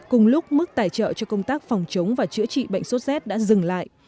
cùng lúc mức tài trợ cho công tác phòng chống và chữa trị bệnh số z đã dừng lại